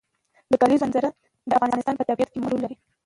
د کلیزو منظره د افغانستان په طبیعت کې مهم رول لري.